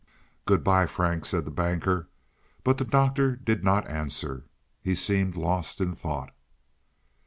"Good by, Frank," said the Banker. But the Doctor did not answer; he seemed lost in thought.